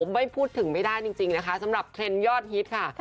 ไม่พูดถึงไม่ได้จริงนะคะสำหรับเทรนด์ยอดฮิตค่ะ